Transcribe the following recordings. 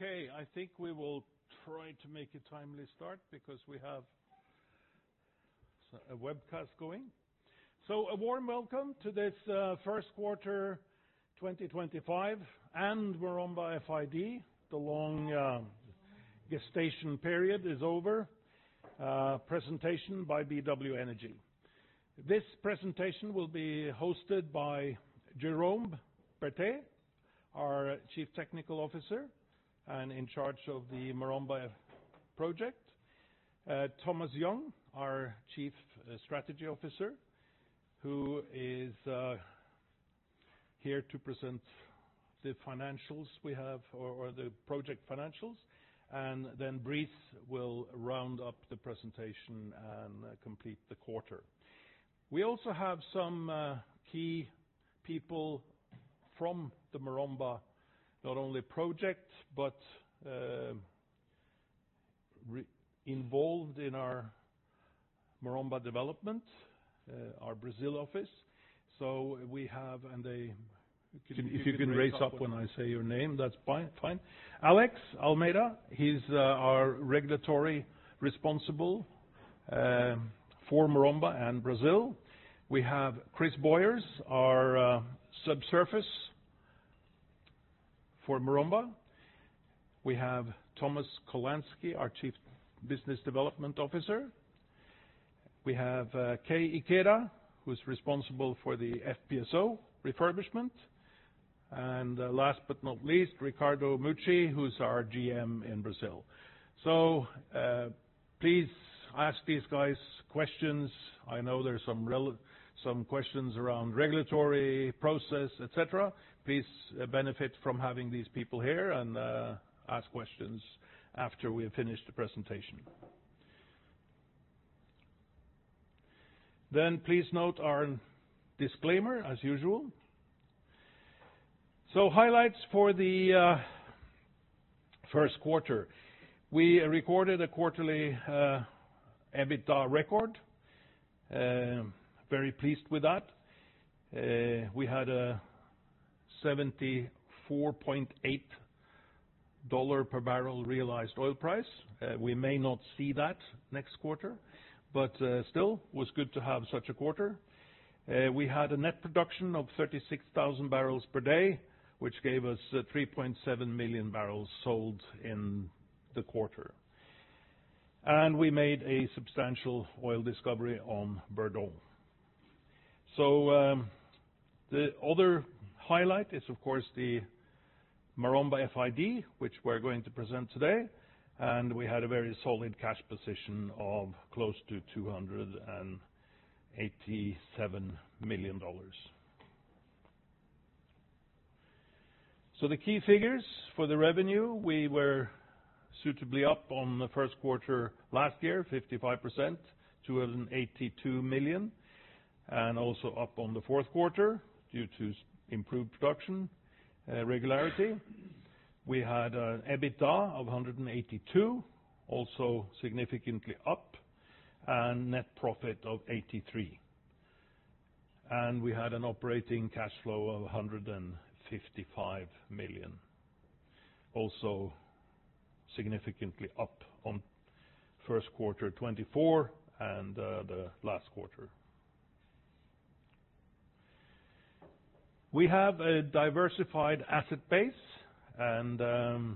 Okay, I think we will try to make a timely start because we have a webcast going. A warm welcome to this first quarter 2025, and we're on by FID. The long gestation period is over. Presentation by BW Energy. This presentation will be hosted by Jérôme Bertheau, our Chief Technical Officer and in charge of the Maromba project. Thomas Young, our Chief Strategy Officer, who is here to present the financials we have, or the project financials. Brice will round up the presentation and complete the quarter. We also have some key people from the Maromba not only project, but involved in our Maromba development, our Brazil office. If you can raise up when I say your name, that's fine. Alex Almeida, he's our regulatory responsible for Maromba and Brazil. We have Chris Boyers, our subsurface for Maromba. We have Thomas Kolanski, our Chief Business Development Officer. We have Kei Ikeda, who's responsible for the FPSO refurbishment. Last but not least, Ricardo Mucci, who's our GM in Brazil. Please ask these guys questions. I know there's some questions around regulatory process, etc. Please benefit from having these people here and ask questions after we have finished the presentation. Please note our disclaimer, as usual. Highlights for the first quarter. We recorded a quarterly EBITDA record. Very pleased with that. We had a $74.8 per barrel realized oil price. We may not see that next quarter, but still, it was good to have such a quarter. We had a net production of 36,000 barrels per day, which gave us 3.7 million barrels sold in the quarter. We made a substantial oil discovery on Bordeaux. The other highlight is, of course, the Maromba FID, which we're going to present today. We had a very solid cash position of close to $287 million. The key figures for the revenue, we were suitably up on the first quarter last year, 55%, $282 million. Also up on the fourth quarter due to improved production regularity. We had an EBITDA of $182 million, also significantly up, and net profit of $83 million. We had an operating cash flow of $155 million. Also significantly up on first quarter 2024 and the last quarter. We have a diversified asset base, and I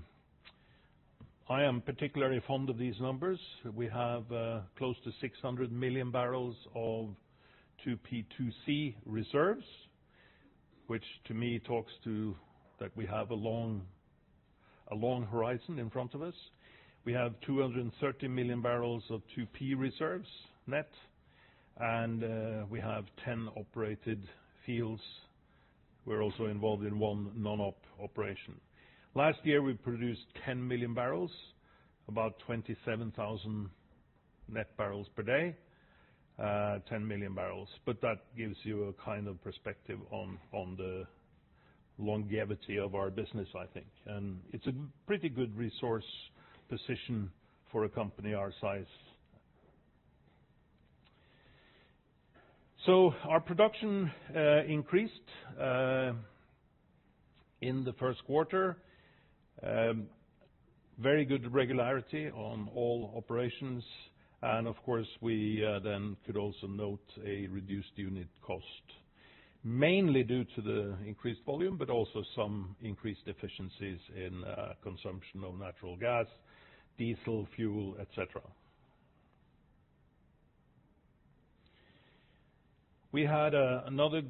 am particularly fond of these numbers. We have close to 600 million barrels of 2P2C reserves, which to me talks to that we have a long horizon in front of us. We have 230 million barrels of 2P reserves net, and we have 10 operated fields. We're also involved in one non-op operation. Last year, we produced 10 million barrels, about 27,000 net barrels per day. 10 million barrels. That gives you a kind of perspective on the longevity of our business, I think. It's a pretty good resource position for a company our size. Our production increased in the first quarter. Very good regularity on all operations. Of course, we could also note a reduced unit cost, mainly due to the increased volume, but also some increased efficiencies in consumption of natural gas, diesel fuel, etc. We had another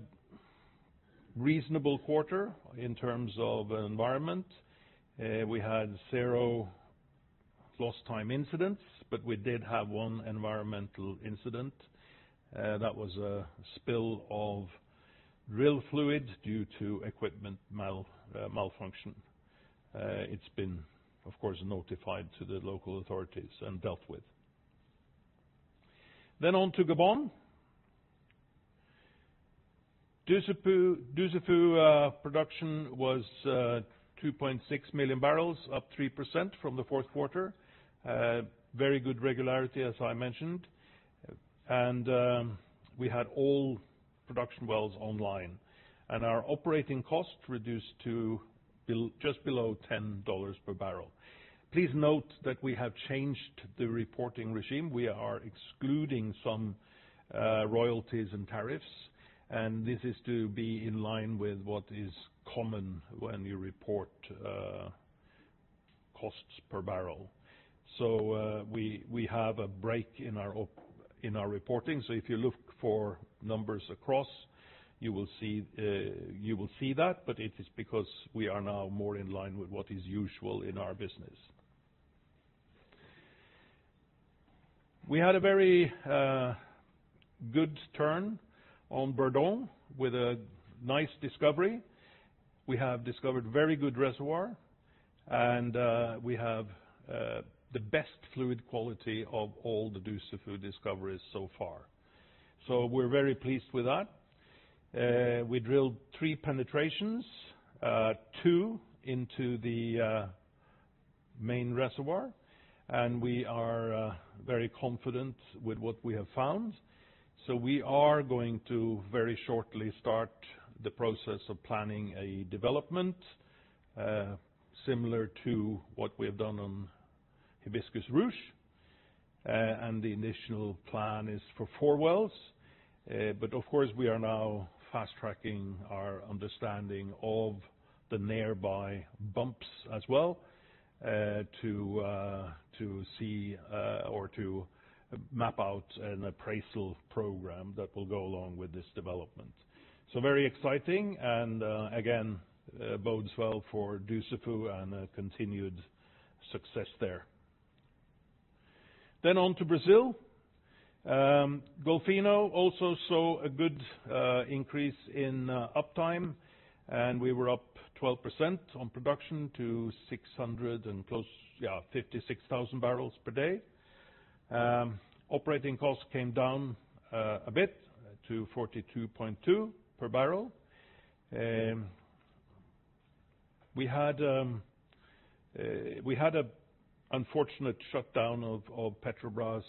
reasonable quarter in terms of environment. We had zero loss time incidents, but we did have one environmental incident. That was a spill of drill fluid due to equipment malfunction. It's been, of course, notified to the local authorities and dealt with. On to Gabon. Dussafu production was 2.6 million barrels, up 3% from the fourth quarter. Very good regularity, as I mentioned. We had all production wells online. Our operating cost reduced to just below $10 per barrel. Please note that we have changed the reporting regime. We are excluding some royalties and tariffs. This is to be in line with what is common when you report costs per barrel. We have a break in our reporting. If you look for numbers across, you will see that. It is because we are now more in line with what is usual in our business. We had a very good turn on Bourdon with a nice discovery. We have discovered very good reservoir, and we have the best fluid quality of all the Dussafu discoveries so far. We are very pleased with that. We drilled three penetrations, two into the main reservoir, and we are very confident with what we have found. We are going to very shortly start the process of planning a development similar to what we have done on Hibiscus Rouge. The initial plan is for four wells. Of course, we are now fast-tracking our understanding of the nearby bumps as well to see or to map out an appraisal program that will go along with this development. Very exciting. Again, bodes well for Dussafu and continued success there. On to Brazil. Golfinho also saw a good increase in uptime, and we were up 12% on production to 600 and close, yeah, 56,000 barrels per day. Operating costs came down a bit to $42.2 per barrel. We had an unfortunate shutdown of Petrobras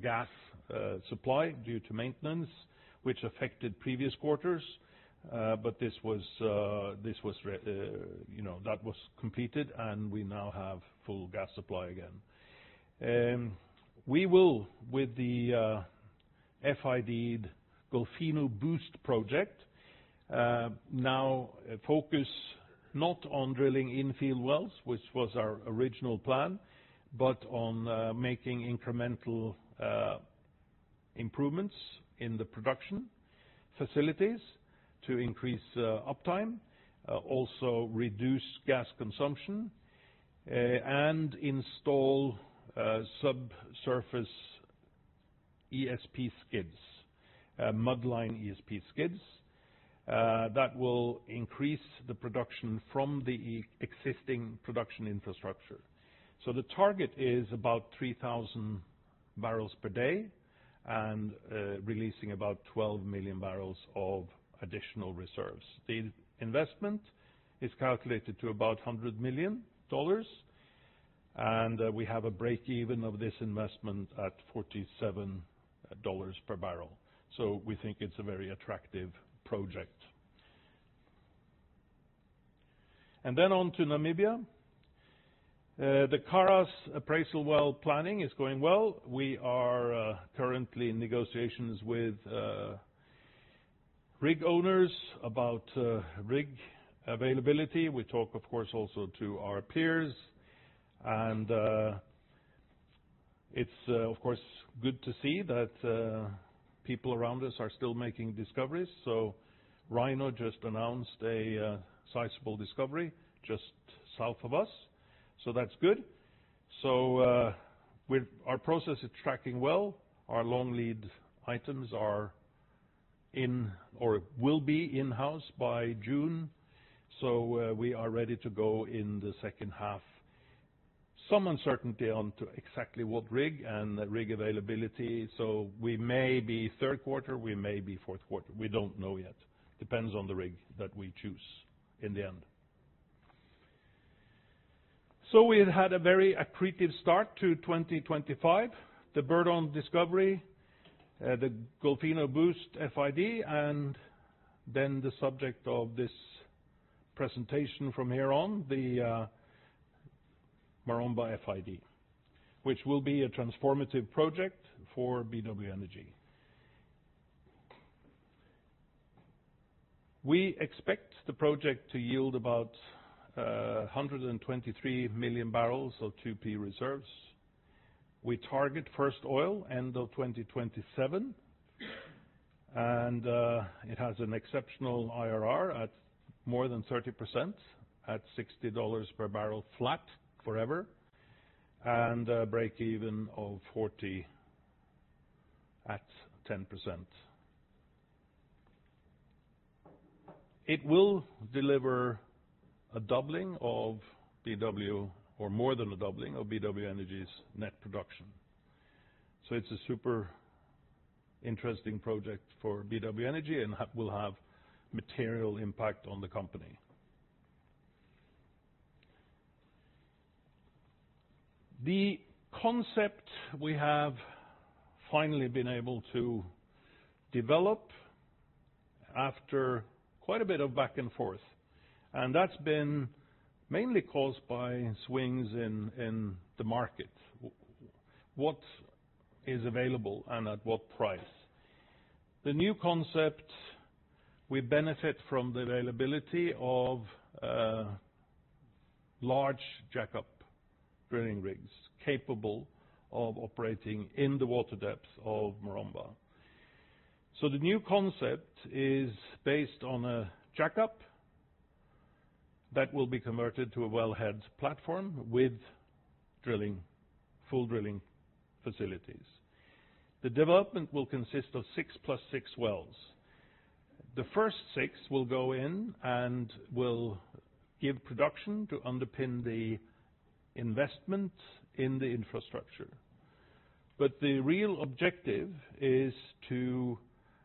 gas supply due to maintenance, which affected previous quarters. That was completed, and we now have full gas supply again. We will, with the FID Golfinho Boost project, now focus not on drilling in-field wells, which was our original plan, but on making incremental improvements in the production facilities to increase uptime, also reduce gas consumption, and install subsurface ESP skids, mudline ESP skids that will increase the production from the existing production infrastructure. The target is about 3,000 barrels per day and releasing about 12 million barrels of additional reserves. The investment is calculated to about $100 million. We have a break-even of this investment at $47 per barrel. We think it's a very attractive project. On to Namibia. The Karas appraisal well planning is going well. We are currently in negotiations with rig owners about rig availability. We talk, of course, also to our peers. It is, of course, good to see that people around us are still making discoveries. Rhino just announced a sizable discovery just south of us. That is good. Our process is tracking well. Our long lead items are in or will be in-house by June. We are ready to go in the second half. There is some uncertainty onto exactly what rig and rig availability. We may be third quarter. We may be fourth quarter. We do not know yet. It depends on the rig that we choose in the end. We had a very accretive start to 2025. The Burton discovery, the Golfinho Boost FID, and then the subject of this presentation from here on, the Maromba FID, which will be a transformative project for BW Energy. We expect the project to yield about 123 million barrels of 2P reserves. We target first oil end of 2027. It has an exceptional IRR at more than 30% at $60 per barrel flat forever, and a break-even of $40 at 10%. It will deliver a doubling of BW, or more than a doubling of BW Energy's net production. It is a super interesting project for BW Energy and will have material impact on the company. The concept we have finally been able to develop after quite a bit of back and forth. That has been mainly caused by swings in the market. What is available and at what price? The new concept, we benefit from the availability of large jackup drilling rigs capable of operating in the water depths of Maromba. The new concept is based on a jackup that will be converted to a wellhead platform with full drilling facilities. The development will consist of six plus six wells. The first six will go in and will give production to underpin the investment in the infrastructure. The real objective is to,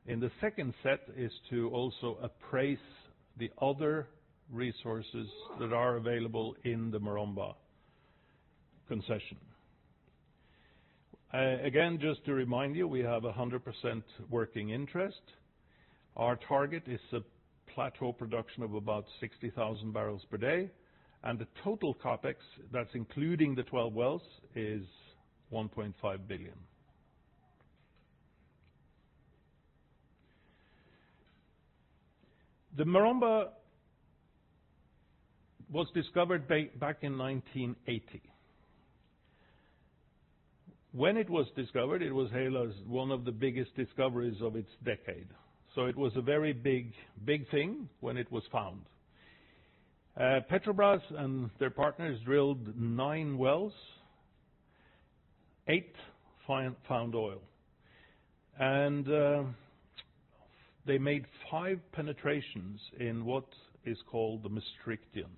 in the second set, also appraise the other resources that are available in the Maromba concession. Again, just to remind you, we have 100% working interest. Our target is a plateau production of about 60,000 barrels per day. The total CapEx, that's including the 12 wells, is $1.5 billion. Maromba was discovered back in 1980. When it was discovered, it was one of the biggest discoveries of its decade. It was a very big thing when it was found. Petrobras and their partners drilled nine wells, eight found oil. They made five penetrations in what is called the Mystrictium.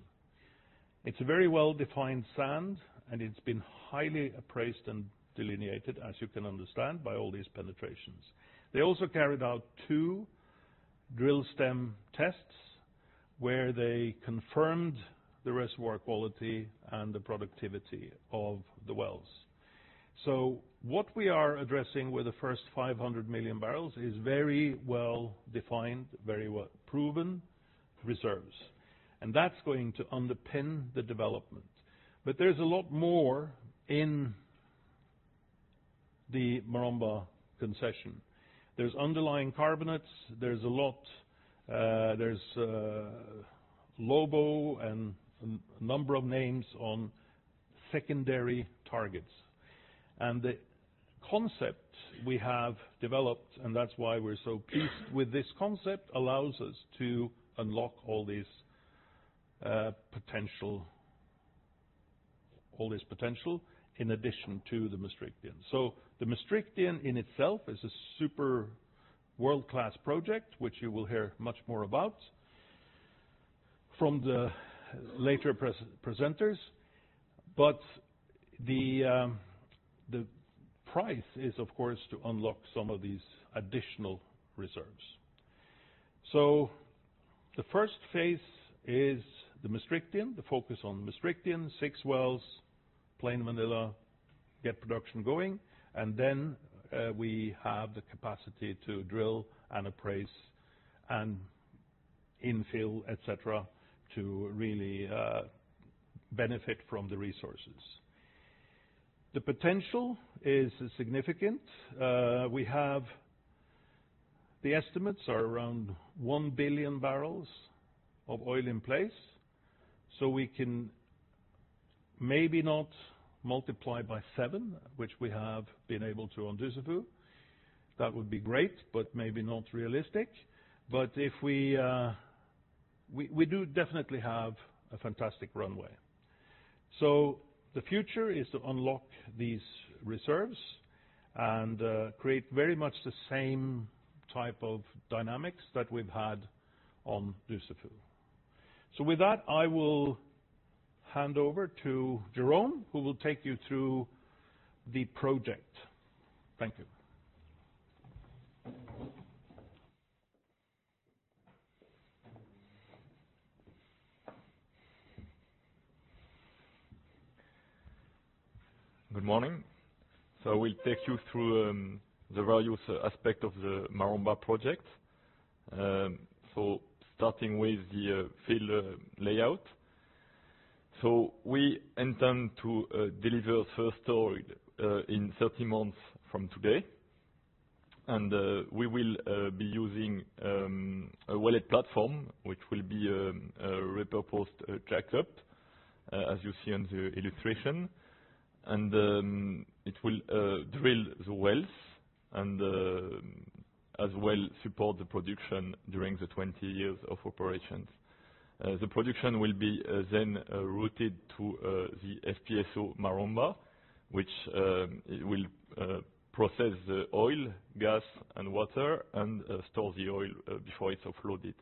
It's a very well-defined sand, and it's been highly appraised and delineated, as you can understand, by all these penetrations. They also carried out two drill stem tests where they confirmed the reservoir quality and the productivity of the wells. What we are addressing with the first 500 million barrels is very well-defined, very well-proven reserves. That is going to underpin the development. There is a lot more in the Maromba concession. There are underlying carbonates. There is a lot, there is Lobo and a number of names on secondary targets. The concept we have developed, and that is why we are so pleased with this concept, allows us to unlock all this potential in addition to the Mysterium. The Mysterium in itself is a super world-class project, which you will hear much more about from the later presenters. The price is, of course, to unlock some of these additional reserves. The first phase is the Mysterium, the focus on Mysterium, six wells, plain vanilla, get production going. We have the capacity to drill and appraise and infill, etc., to really benefit from the resources. The potential is significant. The estimates are around one billion barrels of oil in place. We can maybe not multiply by seven, which we have been able to on Dussafu. That would be great, but maybe not realistic. We do definitely have a fantastic runway. The future is to unlock these reserves and create very much the same type of dynamics that we've had on Dussafu. With that, I will hand over to Jérôme, who will take you through the project. Thank you. Good morning. We will take you through the value aspect of the Maromba project. Starting with the field layout, we intend to deliver first oil in 30-months from today. We will be using a wellhead platform, which will be a repurposed jackup, as you see in the illustration. It will drill the wells and as well support the production during the 20 years of operations. The production will be then routed to the FPSO Maromba, which will process the oil, gas, and water, and store the oil before it's offloaded.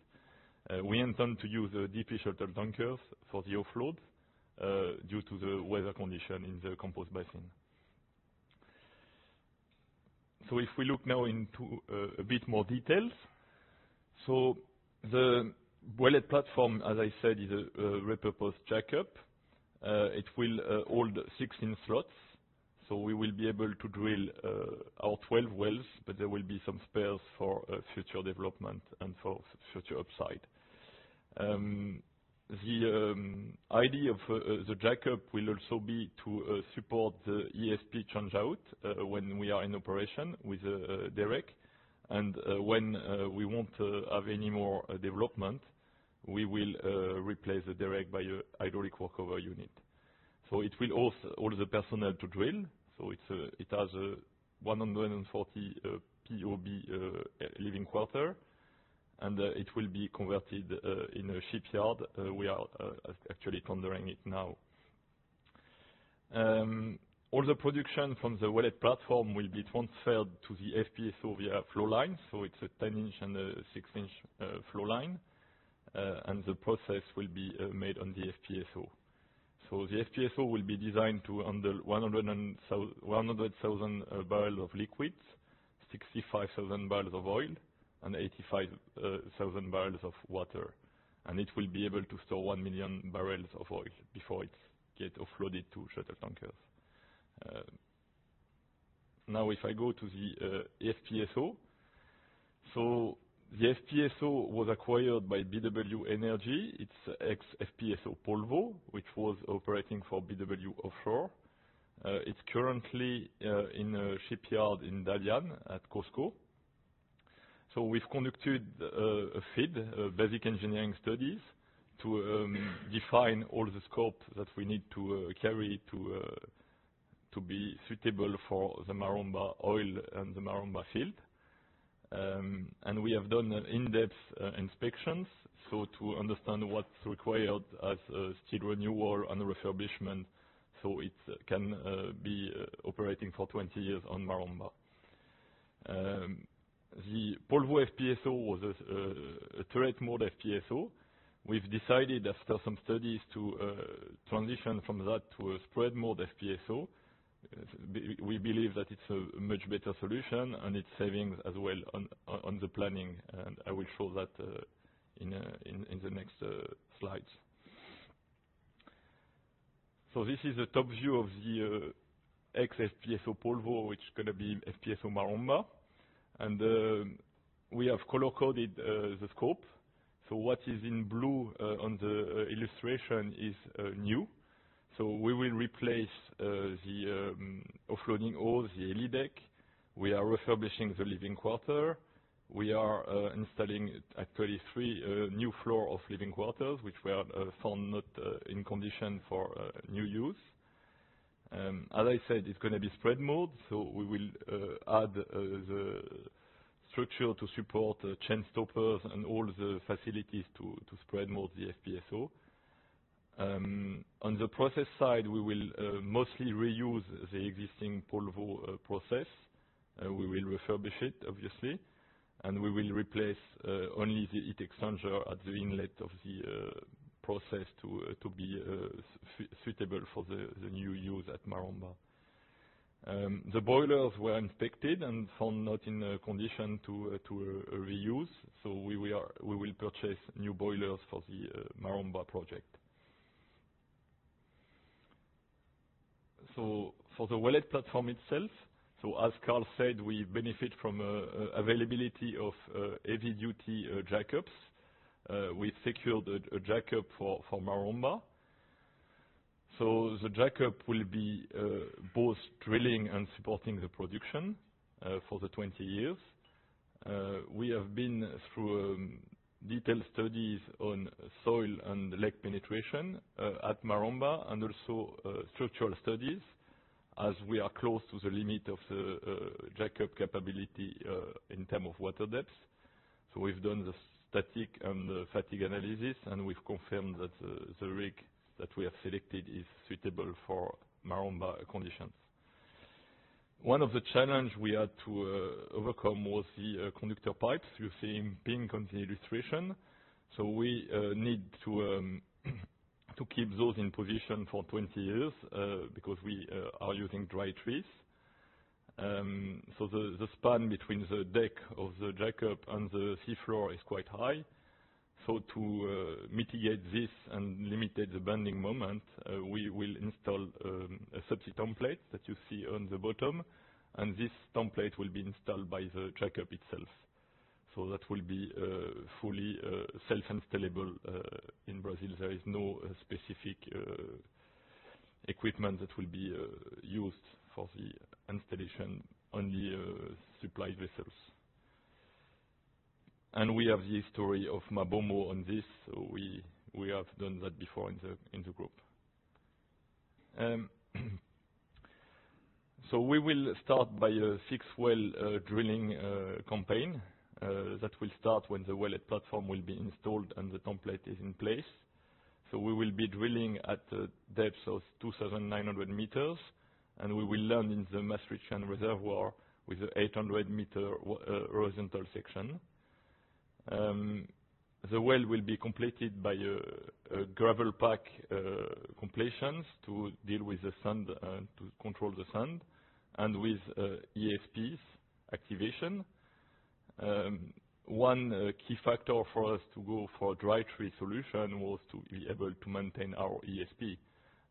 We intend to use the deep-sheltered tankers for the offload due to the weather condition in the Campos Basin. If we look now into a bit more details, the wellhead platform, as I said, is a repurposed jackup. It will hold 16 slots. We will be able to drill our 12 wells, but there will be some spares for future development and for future upside. The idea of the jackup will also be to support the ESP changeout when we are in operation with the derrick. When we will not have any more development, we will replace the derrick by a hydraulic workover unit. It will hold the personnel to drill. It has a 140 POB living quarter. It will be converted in a shipyard. We are actually pondering it now. All the production from the wellhead platform will be transferred to the FPSO via flow line. It is a 10-inch and a six-inch flow line. The process will be made on the FPSO. The FPSO will be designed to handle 100,000 barrels of liquid, 65,000 barrels of oil, and 85,000 barrels of water. It will be able to store 1 million barrels of oil before it is offloaded to shuttle tankers. Now, if I go to the FPSO, the FPSO was acquired by BW Energy. It's ex-FPSO Polvo, which was operating for BW Offshore. It's currently in a shipyard in Dalian at COSCO. We have conducted a FID, basic engineering studies, to define all the scope that we need to carry to be suitable for the Maromba oil and the Maromba field. We have done in-depth inspections to understand what's required as steel renewal and refurbishment so it can be operating for 20 years on Maromba. The Polvo FPSO was a turret-mode FPSO. We've decided, after some studies, to transition from that to a spread-mode FPSO. We believe that it's a much better solution, and it saves as well on the planning. I will show that in the next slides. This is a top view of the ex-FPSO Polvo, which is going to be FPSO Maromba. We have color-coded the scope. What is in blue on the illustration is new. We will replace the offloading holes, the helideck. We are refurbishing the living quarter. We are installing actually three new floors of living quarters, which were found not in condition for new use. As I said, it is going to be spread-mode. We will add the structure to support chain stoppers and all the facilities to spread-mode the FPSO. On the process side, we will mostly reuse the existing Polvo process. We will refurbish it, obviously. We will replace only the heat exchanger at the inlet of the process to be suitable for the new use at Maromba. The boilers were inspected and found not in condition to reuse. We will purchase new boilers for the Maromba project. For the wellhead platform itself, as Carl said, we benefit from availability of heavy-duty jackups. We secured a jackup for Maromba. The jackup will be both drilling and supporting the production for the 20 years. We have been through detailed studies on soil and lake penetration at Maromba and also structural studies as we are close to the limit of the jackup capability in terms of water depth. We have done the static and the fatigue analysis, and we have confirmed that the rig that we have selected is suitable for Maromba conditions. One of the challenges we had to overcome was the conductor pipes. You see them pink on the illustration. We need to keep those in position for 20 years because we are using dry trees. The span between the deck of the jackup and the seafloor is quite high. To mitigate this and limit the bending moment, we will install a subsea template that you see on the bottom. This template will be installed by the jackup itself. That will be fully self-installable. In Brazil, there is no specific equipment that will be used for the installation, only supply vessels. We have the story of Maromba on this. We have done that before in the group. We will start by a six-well drilling campaign that will start when the wellhead platform will be installed and the template is in place. We will be drilling at a depth of 2,900 meters, and we will land in the Mystrictium reservoir with an 800-meter horizontal section. The well will be completed by gravel pack completions to deal with the sand and to control the sand and with ESPs activation. One key factor for us to go for a dry tree solution was to be able to maintain our ESP.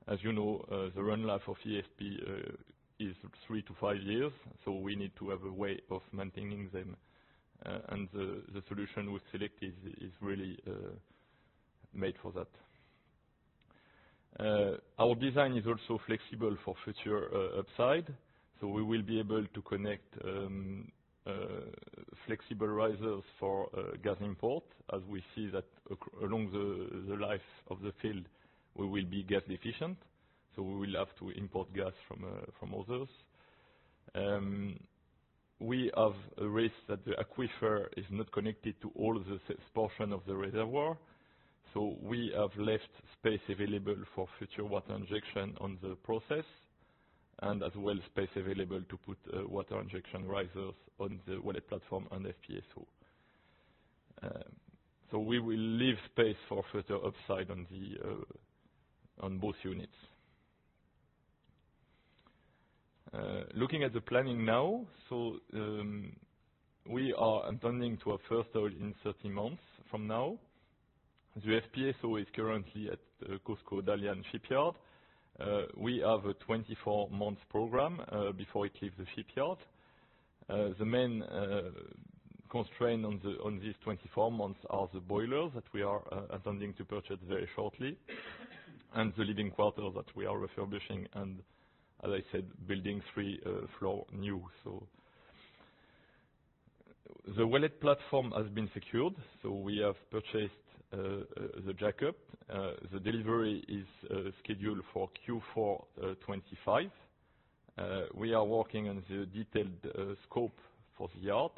As you know, the run life of ESP is three to five years. We need to have a way of maintaining them. The solution we've selected is really made for that. Our design is also flexible for future upside. We will be able to connect flexible risers for gas import. As we see that along the life of the field, we will be gas deficient. We will have to import gas from others. We have raised that the aquifer is not connected to all the portion of the reservoir. We have left space available for future water injection on the process and as well space available to put water injection risers on the wellhead platform and FPSO. We will leave space for further upside on both units. Looking at the planning now, we are intending to have first oil in 30 months from now. The FPSO is currently at the COSCO Dalian shipyard. We have a 24-month program before it leaves the shipyard. The main constraint on these 24 months are the boilers that we are intending to purchase very shortly and the living quarters that we are refurbishing and, as I said, building three floors new. The wellhead platform has been secured. We have purchased the jackup. The delivery is scheduled for Q4 2025. We are working on the detailed scope for the yard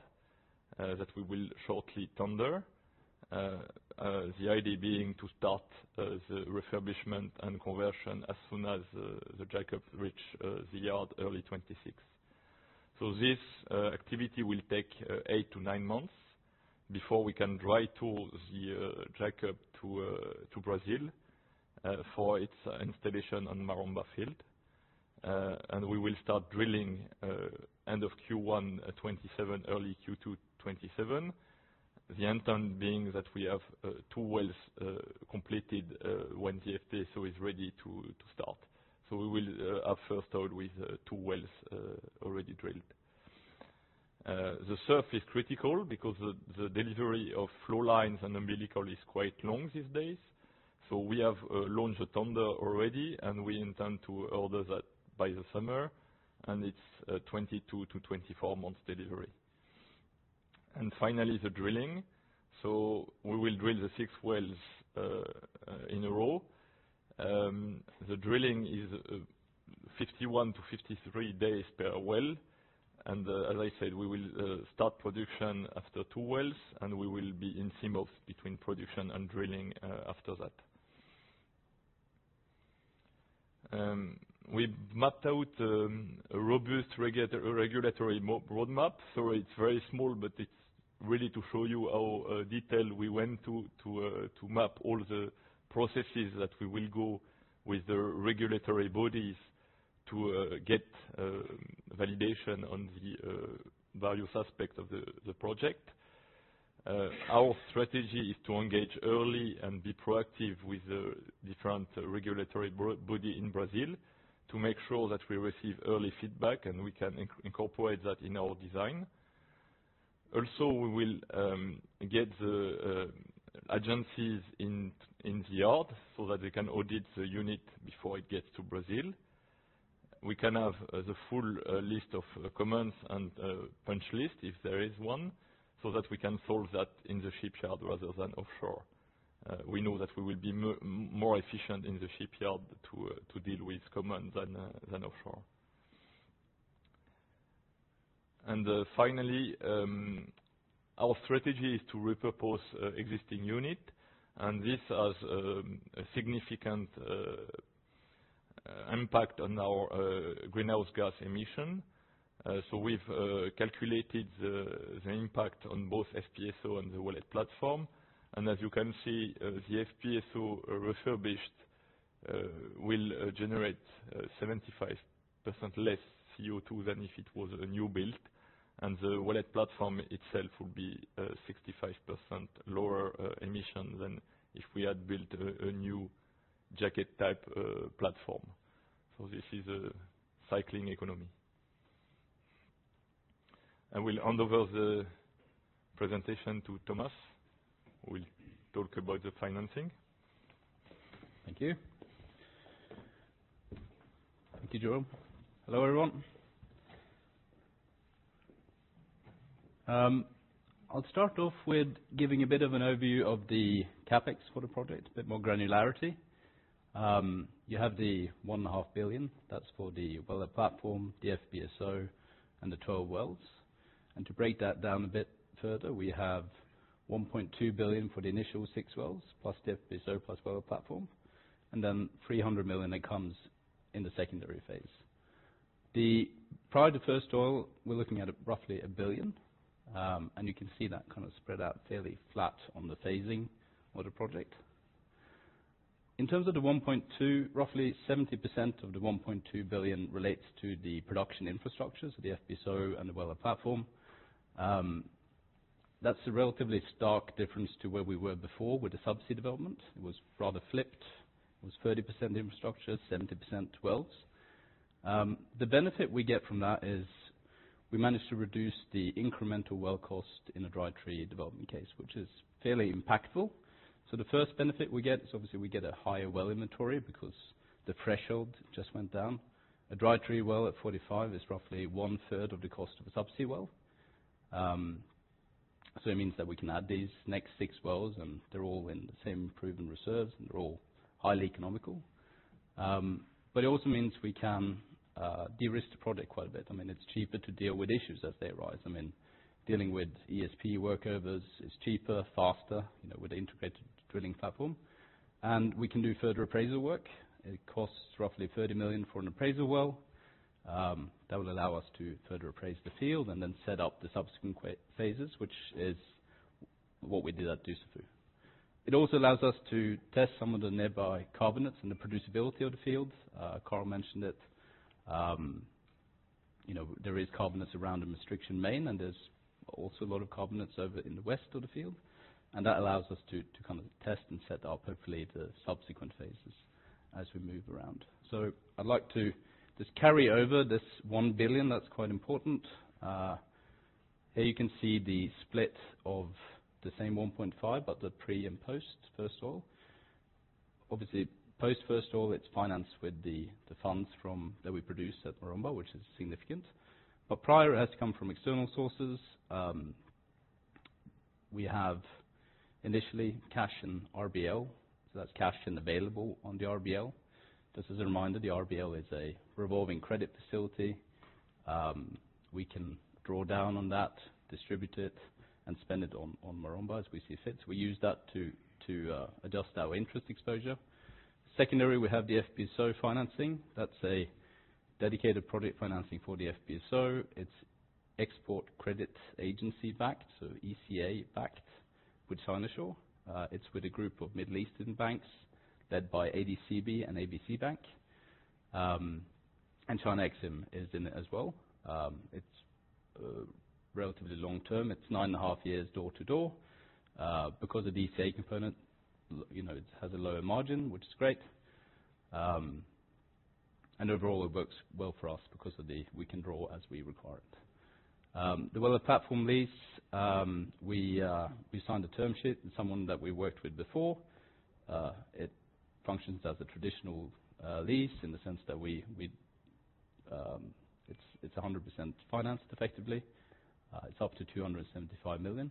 that we will shortly ponder. The idea being to start the refurbishment and conversion as soon as the jackups reach the yard early 2026. This activity will take eight to nine months before we can dry tool the jackup to Brazil for its installation on Maromba field. We will start drilling end of Q1 2027, early Q2 2027, the intent being that we have two wells completed when the FPSO is ready to start. We will have first oil with two wells already drilled. The SURF is critical because the delivery of flow lines and umbilical is quite long these days. We have launched a tender already, and we intend to order that by the summer. It is a 22-24 month delivery. Finally, the drilling. We will drill the six wells in a row. The drilling is 51-53 days per well. As I said, we will start production after two wells, and we will be in seam off between production and drilling after that. We mapped out a robust regulatory roadmap. It is very small, but it is really to show you how detailed we went to map all the processes that we will go with the regulatory bodies to get validation on the various aspects of the project. Our strategy is to engage early and be proactive with different regulatory bodies in Brazil to make sure that we receive early feedback and we can incorporate that in our design. Also, we will get the agencies in the yard so that they can audit the unit before it gets to Brazil. We can have the full list of commands and punch list, if there is one, so that we can solve that in the shipyard rather than offshore. We know that we will be more efficient in the shipyard to deal with commands than offshore. Finally, our strategy is to repurpose existing unit. This has a significant impact on our greenhouse gas emission. We have calculated the impact on both FPSO and the wellhead platform. As you can see, the FPSO refurbished will generate 75% less CO2 than if it was a new build. The wellhead platform itself will be 65% lower emission than if we had built a new jacket-type platform. This is a cycling economy. I will hand over the presentation to Thomas. He will talk about the financing. Thank you. Thank you, Jerome. Hello, everyone. I'll start off with giving a bit of an overview of the CapEx for the project, a bit more granularity. You have the $1.5 billion. That's for the wellhead platform, the FPSO, and the 12 wells. To break that down a bit further, we have $1.2 billion for the initial six wells, plus the FPSO, plus wellhead platform. Then $300 million that comes in the secondary phase. Prior to first oil, we're looking at roughly $1 billion. You can see that kind of spread out fairly flat on the phasing of the project. In terms of the $1.2 billion, roughly 70% of the $1.2 billion relates to the production infrastructure, so the FPSO and the wellhead platform. That's a relatively stark difference to where we were before with the subsea development. It was rather flipped. It was 30% infrastructure, 70% wells. The benefit we get from that is we managed to reduce the incremental well cost in a dry tree development case, which is fairly impactful. The first benefit we get is obviously we get a higher well inventory because the threshold just went down. A dry tree well at $45 is roughly one-third of the cost of a subsea well. It means that we can add these next six wells, and they're all in the same proven reserves, and they're all highly economical. It also means we can de-risk the project quite a bit. I mean, it's cheaper to deal with issues as they arise. I mean, dealing with ESP workovers is cheaper, faster, with an integrated drilling platform. We can do further appraisal work. It costs roughly $30 million for an appraisal well. That will allow us to further appraise the field and then set up the subsequent phases, which is what we did at Dussafu. It also allows us to test some of the nearby carbonates and the producibility of the fields. Carl mentioned that there are carbonates around in Restriction Main, and there is also a lot of carbonates over in the west of the field. That allows us to kind of test and set up, hopefully, the subsequent phases as we move around. I would like to just carry over this $1 billion. That is quite important. Here you can see the split of the same $1.5 billion, but the pre and post first oil. Obviously, post first oil, it is financed with the funds that we produce at Maromba, which is significant. Prior, it has come from external sources. We have initially cash and RBL. That's cash and available on the RBL. Just as a reminder, the RBL is a revolving credit facility. We can draw down on that, distribute it, and spend it on Maromba as we see fit. We use that to adjust our interest exposure. Secondary, we have the FPSO financing. That's a dedicated project financing for the FPSO. It's export credit agency-backed, so ECA-backed, with Sinosure. It's with a group of Middle Eastern banks led by ADCB and ABC Bank. And China Exim Bank is in it as well. It's relatively long-term. It's nine and a half years door-to-door. Because of the ECA component, it has a lower margin, which is great. Overall, it works well for us because we can draw as we require it. The wellhead platform lease, we signed a term sheet with someone that we worked with before. It functions as a traditional lease in the sense that it's 100% financed, effectively. It's up to $275 million.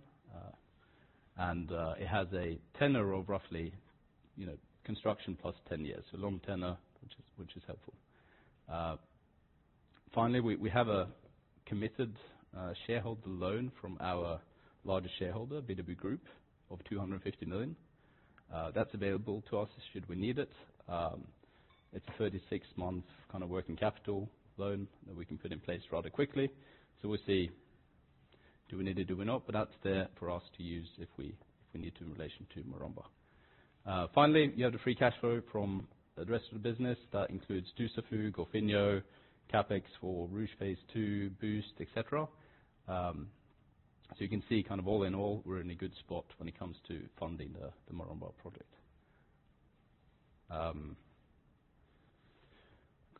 It has a tenor of roughly construction plus 10 years, so long tenor, which is helpful. Finally, we have a committed shareholder loan from our largest shareholder, BW Group, of $250 million. That's available to us should we need it. It's a 36-month kind of working capital loan that we can put in place rather quickly. We'll see do we need it, do we not. That's there for us to use if we need to in relation to Maromba. Finally, you have the free cash flow from the rest of the business. That includes Dussafu, Golfinho, CapEx for Rouge Phase 2, Boost, etc. You can see kind of all in all, we're in a good spot when it comes to funding the Maromba project. I'm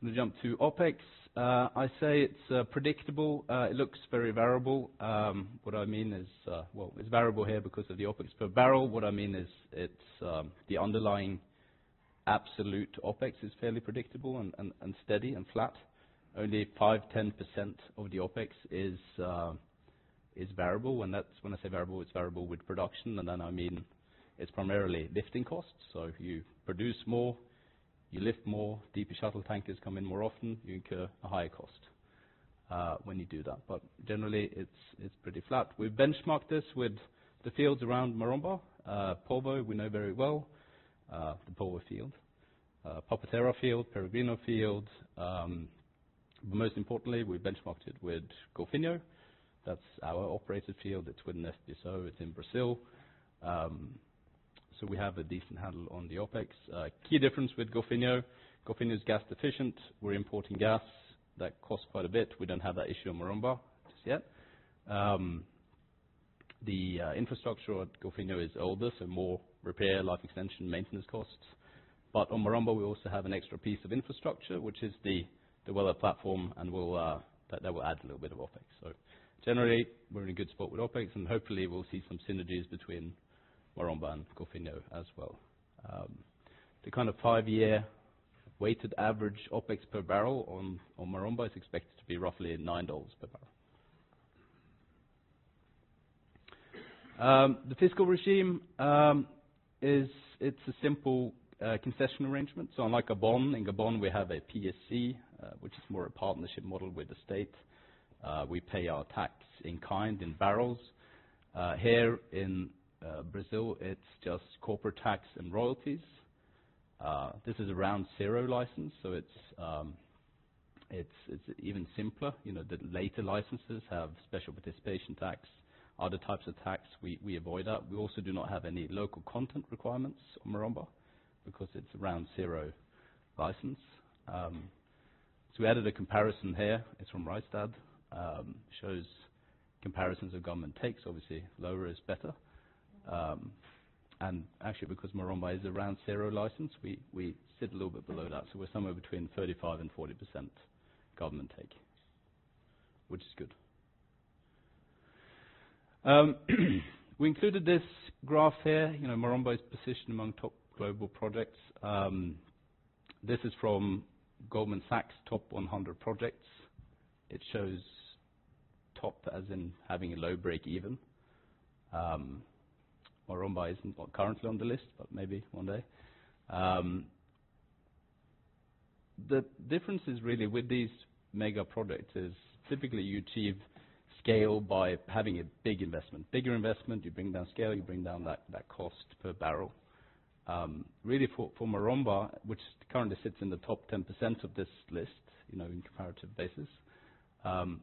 going to jump to OPEX. I say it's predictable. It looks very variable. What I mean is, well, it's variable here because of the OPEX per barrel. What I mean is the underlying absolute OPEX is fairly predictable and steady and flat. Only 5-10% of the OPEX is variable. And when I say variable, it's variable with production. And then I mean it's primarily lifting costs. So if you produce more, you lift more, deeper shuttle tankers come in more often, you incur a higher cost when you do that. Generally, it's pretty flat. We've benchmarked this with the fields around Maromba. Polvo, we know very well. The Polvo field. Papa Terra field, Peregrino field. Most importantly, we've benchmarked it with Golfinho. That's our operated field. It's with an FPSO. It's in Brazil. We have a decent handle on the OPEX. Key difference with Golfinho. Golfinho is gas deficient. We're importing gas. That costs quite a bit. We don't have that issue on Maromba just yet. The infrastructure at Golfinho is older, so more repair, life extension, maintenance costs. On Maromba, we also have an extra piece of infrastructure, which is the wellhead platform, and that will add a little bit of OPEX. Generally, we're in a good spot with OPEX, and hopefully, we'll see some synergies between Maromba and Golfinho as well. The kind of five-year weighted average OPEX per barrel on Maromba is expected to be roughly $9 per barrel. The fiscal regime, it's a simple concession arrangement. Unlike Gabon, in Gabon, we have a PSC, which is more a partnership model with the state. We pay our tax in kind, in barrels. Here in Brazil, it's just corporate tax and royalties. This is a round zero license, so it's even simpler. The later licenses have special participation tax. Other types of tax, we avoid that. We also do not have any local content requirements on Maromba because it's a round zero license. We added a comparison here. It's from Rystad. It shows comparisons of government takes. Obviously, lower is better. Actually, because Maromba is a round zero license, we sit a little bit below that. We're somewhere between 35%-40% government take, which is good. We included this graph here. Maromba is positioned among top global projects. This is from Goldman Sachs' top 100 projects. It shows top as in having a low break even. Maromba isn't currently on the list, but maybe one day. The difference is really with these mega projects is typically you achieve scale by having a big investment. Bigger investment, you bring down scale, you bring down that cost per barrel. Really, for Maromba, which currently sits in the top 10% of this list in comparative basis,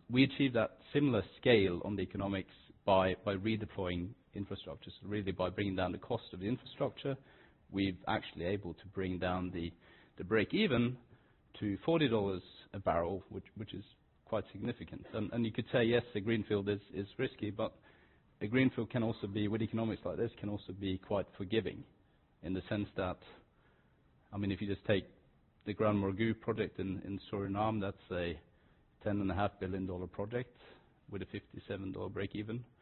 we achieve that similar scale on the economics by redeploying infrastructure. Really, by bringing down the cost of the infrastructure, we've actually able to bring down the break-even to $40 a barrel, which is quite significant. You could say, yes, the greenfield is risky, but a greenfield can also be, with economics like this, can also be quite forgiving in the sense that, I mean, if you just take the Grand Marugu project in Suriname, that's a $10.5 billion project with a $57 break-even. For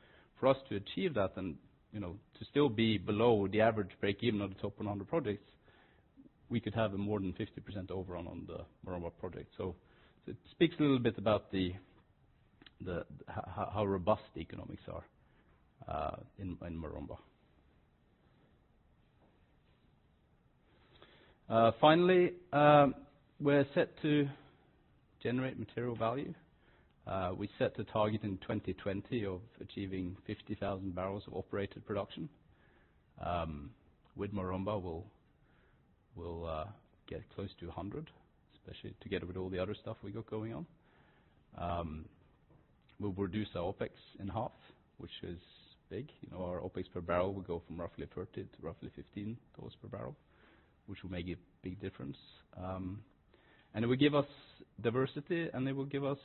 us to achieve that and to still be below the average break-even of the top 100 projects, we could have a more than 50% overrun on the Maromba project. It speaks a little bit about how robust the economics are in Maromba. Finally, we're set to generate material value. We set the target in 2020 of achieving 50,000 barrels of operated production. With Maromba, we'll get close to 100, especially together with all the other stuff we've got going on. We'll reduce our OPEX in half, which is big. Our OPEX per barrel will go from roughly $30 to roughly $15 per barrel, which will make a big difference. It will give us diversity, and it will give us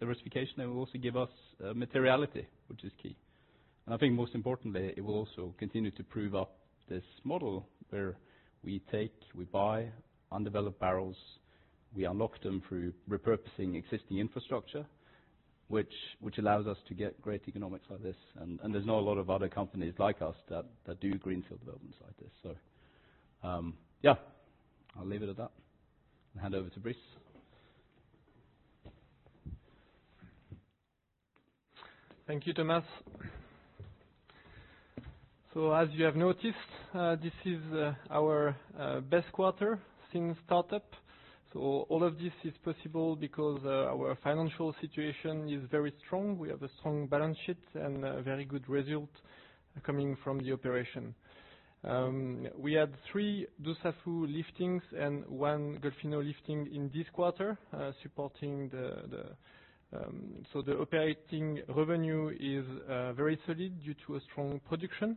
diversification. It will also give us materiality, which is key. I think most importantly, it will also continue to prove up this model where we take, we buy undeveloped barrels. We unlock them through repurposing existing infrastructure, which allows us to get great economics like this. There are not a lot of other companies like us that do greenfield developments like this. Yeah, I'll leave it at that and hand over to Brice. Thank you, Thomas. As you have noticed, this is our best quarter since startup. All of this is possible because our financial situation is very strong. We have a strong balance sheet and very good result coming from the operation. We had three Dussafu liftings and one Golfinho lifting in this quarter, supporting the operating revenue is very solid due to a strong production.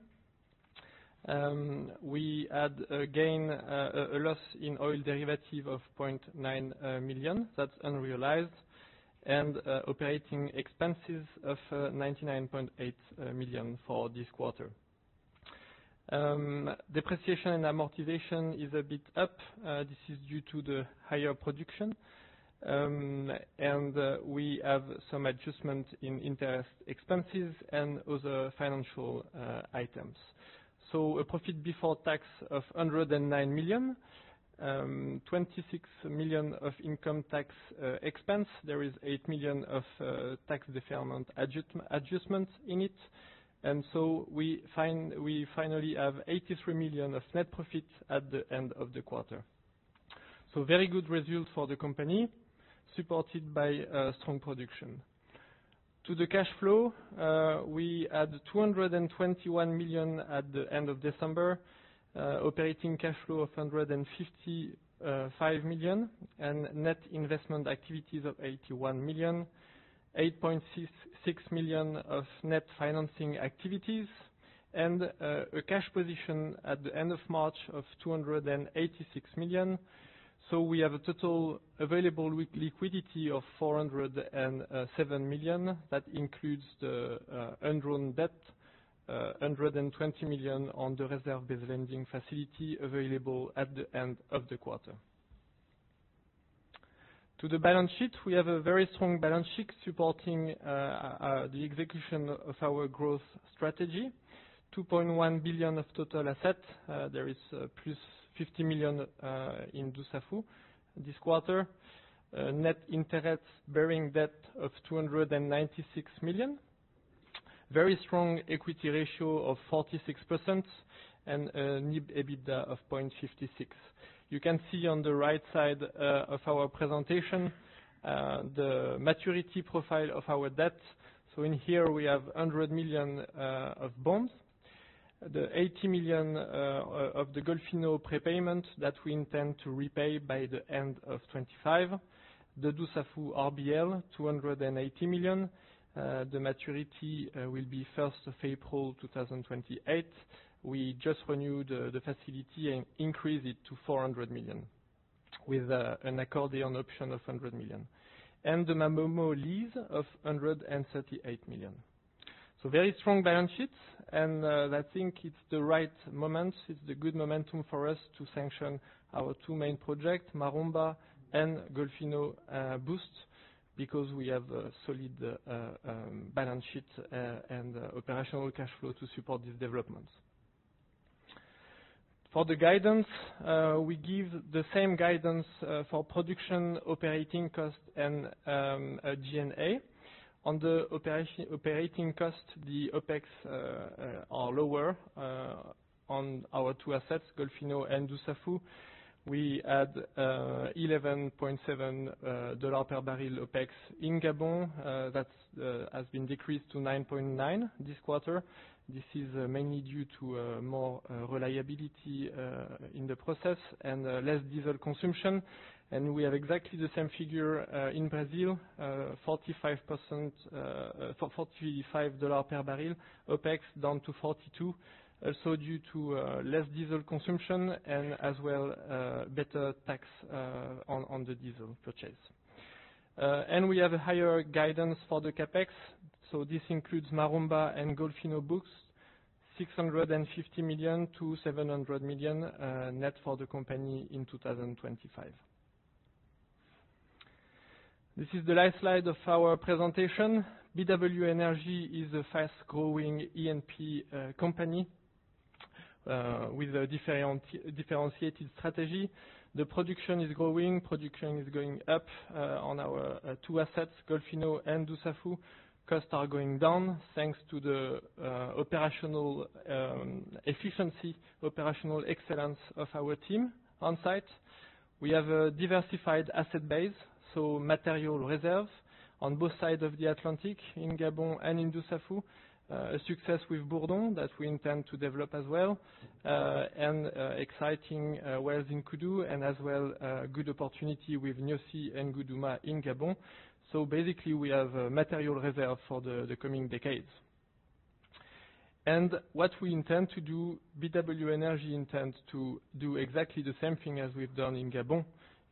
We had a loss in oil derivative of $0.9 million. That's unrealized. Operating expenses of $99.8 million for this quarter. Depreciation and amortization is a bit up. This is due to the higher production. We have some adjustment in interest expenses and other financial items. A profit before tax of $109 million, $26 million of income tax expense. There is $8 million of tax deferment adjustment in it. We finally have $83 million of net profit at the end of the quarter. Very good results for the company, supported by strong production. To the cash flow, we had $221 million at the end of December, operating cash flow of $155 million, and net investment activities of $81 million, $8.6 million of net financing activities, and a cash position at the end of March of $286 million. We have a total available liquidity of $407 million. That includes the unwritten debt, $120 million on the reserve-based lending facility available at the end of the quarter. To the balance sheet, we have a very strong balance sheet supporting the execution of our growth strategy. $2.1 billion of total asset. There is plus $50 million in Dussafu this quarter. Net interest bearing debt of $296 million. Very strong equity ratio of 46% and a NIB EBITDA of 0.56. You can see on the right side of our presentation the maturity profile of our debt. In here, we have $100 million of bonds. The $80 million of the Golfinho prepayment that we intend to repay by the end of 2025. The Dussafu RBL, $280 million. The maturity will be 1st of April 2028. We just renewed the facility and increased it to $400 million with an accordion option of $100 million. The Maromba lease of $138 million. Very strong balance sheet. I think it's the right moment. It's the good momentum for us to sanction our two main projects, Maromba and Golfinho Boost, because we have a solid balance sheet and operational cash flow to support these developments. For the guidance, we give the same guidance for production, operating cost, and G&A. On the operating cost, the OPEX are lower on our two assets, Golfinho and Dussafu. We had $11.7 per barrel OPEX in Gabon. That has been decreased to $9.9 this quarter. This is mainly due to more reliability in the process and less diesel consumption. We have exactly the same figure in Brazil, $45 per barrel OPEX down to $42, also due to less diesel consumption and as well better tax on the diesel purchase. We have a higher guidance for the CapEx. This includes Maromba and Golfinho Boost, $650 million-$700 million net for the company in 2025. This is the last slide of our presentation. BW Energy is a fast-growing E&P company with a differentiated strategy. The production is growing. Production is going up on our two assets, Golfinho and Dussafu. Costs are going down thanks to the efficiency, operational excellence of our team on site. We have a diversified asset base, so material reserve on both sides of the Atlantic in Gabon and in Dussafu. A success with Bourdon that we intend to develop as well. Exciting wells in Kudu and as well good opportunity with Nyosi and Guduma in Gabon. Basically, we have material reserve for the coming decades. What we intend to do, BW Energy intends to do exactly the same thing as we've done in Gabon,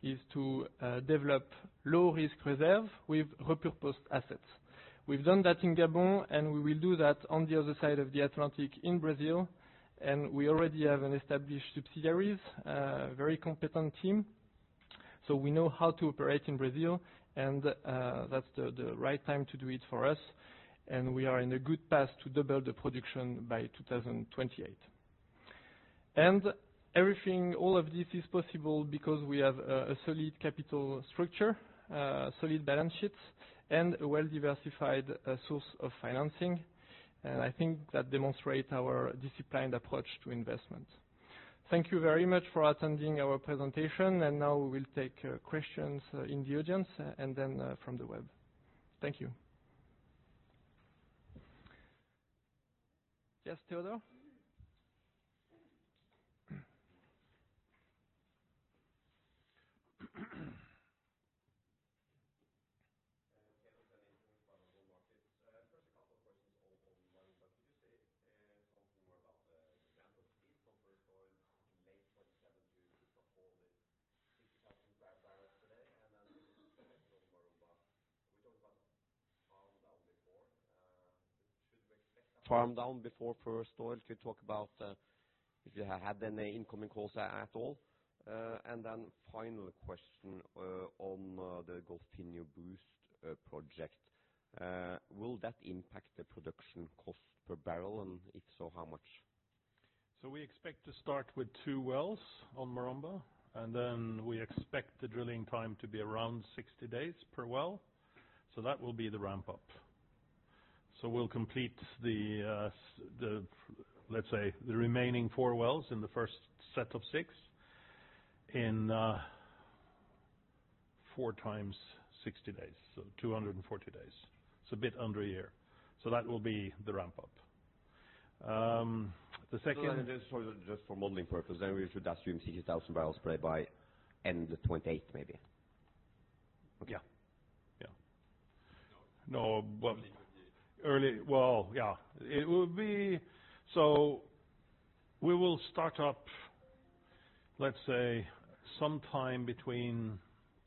is to develop low-risk reserve with repurposed assets. We've done that in Gabon, and we will do that on the other side of the Atlantic in Brazil. We already have established subsidiaries, a very competent team. We know how to operate in Brazil, and that's the right time to do it for us. We are in a good path to double the production by 2028. All of this is possible because we have a solid capital structure, solid balance sheets, and a well-diversified source of financing. I think that demonstrates our disciplined approach to investment. Thank you very much for attending our presentation. Now we will take questions in the audience and then from the web. Thank you. Yes, Theodore? Can you tell me something about the markets? First, a couple of questions on Maromba. Could you say something more about the ramp-up speed for first oil late 2022, before the 60,000 barrels today? And then the next step from Maromba. We talked about farm down before. Should we expect that? Farm down before first oil? Could you talk about if you had any incoming calls at all? Final question on the Golfinho Boost project. Will that impact the production cost per barrel? If so, how much? We expect to start with two wells on Maromba. We expect the drilling time to be around 60 days per well. That will be the ramp-up. We will complete the, let's say, the remaining four wells in the first set of six in four times 60 days, so 240 days. It is a bit under a year. That will be the ramp-up. The second. Just for modeling purposes, then we should estimate 60,000 barrels per day by end of 2028, maybe. Yeah. Yeah. No, but early, yeah. We will start up, let's say, sometime between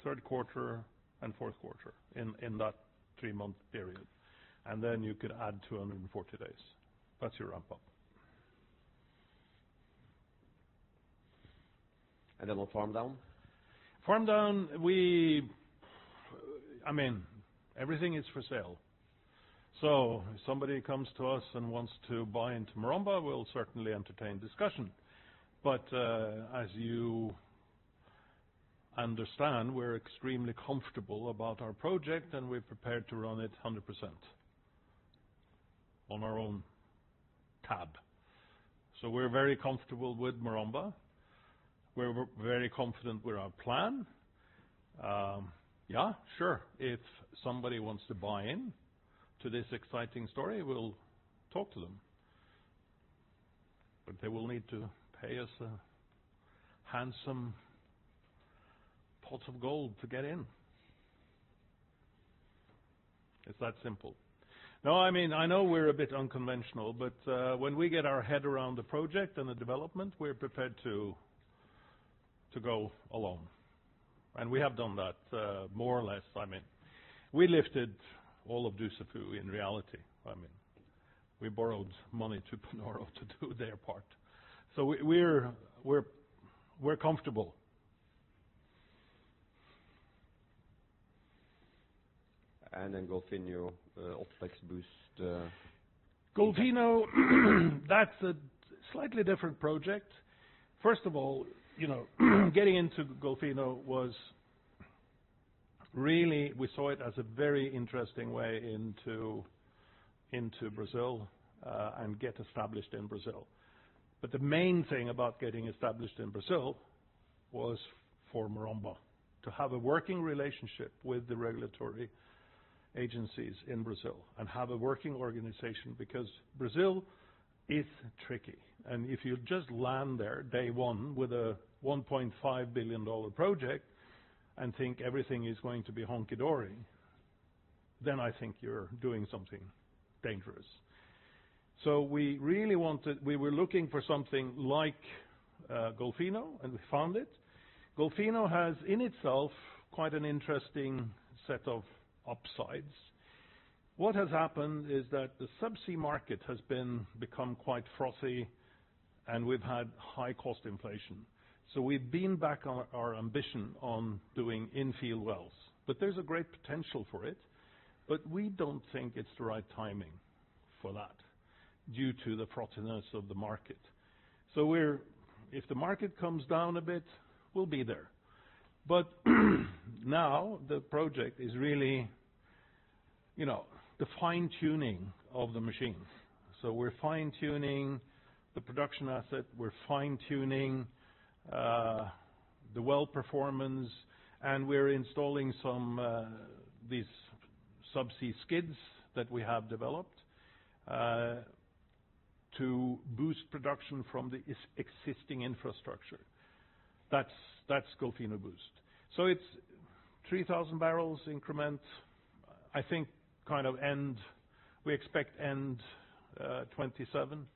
third quarter and fourth quarter in that three-month period. You could add 240 days. That's your ramp-up. We'll farm down? Farm down, I mean, everything is for sale. If somebody comes to us and wants to buy into Maromba, we'll certainly entertain discussion. As you understand, we're extremely comfortable about our project, and we're prepared to run it 100% on our own tab. We're very comfortable with Maromba. We're very confident with our plan. Yeah, sure. If somebody wants to buy into this exciting story, we'll talk to them. They will need to pay us a handsome pot of gold to get in. It's that simple. I know we're a bit unconventional, but when we get our head around the project and the development, we're prepared to go along. We have done that more or less, I mean. We lifted all of Dussafu in reality. I mean, we borrowed money to Panoro to do their part. We're comfortable. Golfinho or Flex Boost? Golfinho, that's a slightly different project. First of all, getting into Golfinho was really, we saw it as a very interesting way into Brazil and get established in Brazil. The main thing about getting established in Brazil was for Maromba to have a working relationship with the regulatory agencies in Brazil and have a working organization because Brazil is tricky. If you just land there day one with a $1.5 billion project and think everything is going to be honky-dory, I think you're doing something dangerous. We really wanted, we were looking for something like Golfinho, and we found it. Golfinho has in itself quite an interesting set of upsides. What has happened is that the subsea market has become quite frothy, and we've had high-cost inflation. We've reined back our ambition on doing in-field wells. There is a great potential for it. We do not think it is the right timing for that due to the frothiness of the market. If the market comes down a bit, we will be there. The project is really the fine-tuning of the machine. We are fine-tuning the production asset. We are fine-tuning the well performance. We are installing some of these subsea skids that we have developed to boost production from the existing infrastructure. That is Golfinho Boost. It is 3,000 barrels increment, I think, and we expect by the end of 2027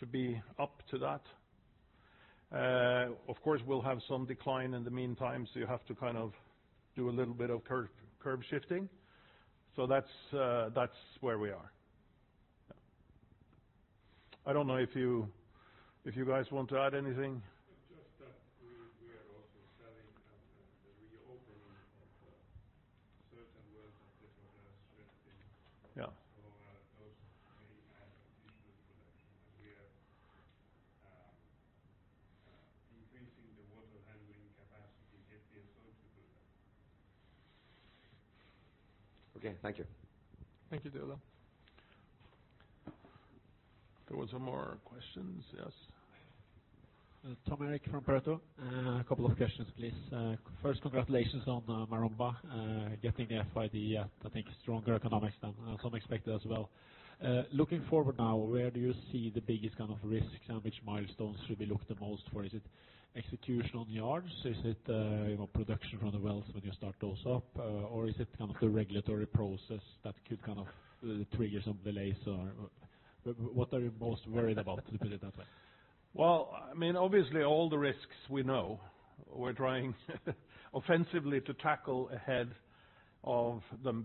to be up to that. Of course, we will have some decline in the meantime, so you have to do a little bit of curve shifting. That is where we are. I do not know if you guys want to add anything. Just that we are also selling at the reopening of certain wells that they've got us threaded in. Those may add additional production. We are increasing the water handling capacity at the assault to do that. Okay. Thank you. Thank you, Theodore. There were some more questions. Yes. Tom Erik from Pareto. A couple of questions, please. First, congratulations on Maromba getting the FID at, I think, stronger economics than some expected as well. Looking forward now, where do you see the biggest kind of risks and which milestones should we look the most for? Is it execution on yards? Is it production from the wells when you start those up? Or is it kind of the regulatory process that could kind of trigger some delays? What are you most worried about, to put it that way? I mean, obviously, all the risks we know. We're trying offensively to tackle ahead of them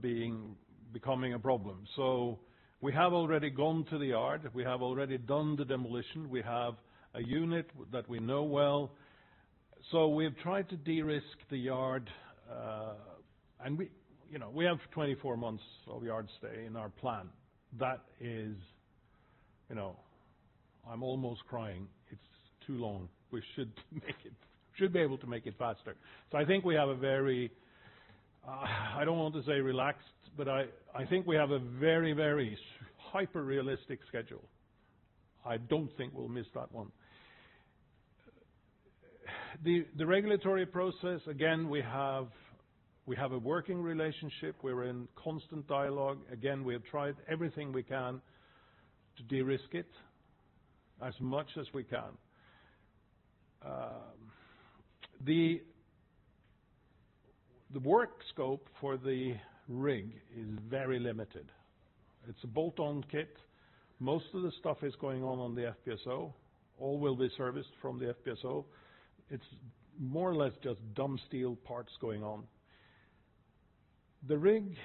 becoming a problem. We have already gone to the yard. We have already done the demolition. We have a unit that we know well. We've tried to de-risk the yard. We have 24 months of yard stay in our plan. That is, I'm almost crying. It's too long. We should be able to make it faster. I think we have a very, I don't want to say relaxed, but I think we have a very, very hyper-realistic schedule. I don't think we'll miss that one. The regulatory process, again, we have a working relationship. We're in constant dialogue. Again, we have tried everything we can to de-risk it as much as we can. The work scope for the rig is very limited. It's a bolt-on kit. Most of the stuff is going on on the FPSO. All will be serviced from the FPSO. It's more or less just dumb steel parts going on. The rig